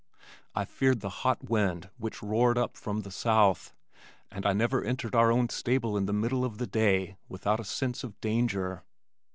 I feared the hot wind which roared up from the south, and I never entered our own stable in the middle of the day without a sense of danger.